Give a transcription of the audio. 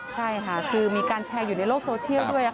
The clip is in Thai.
ใช่ค่ะคือมีการแชร์อยู่ในโลกโซเชียลด้วย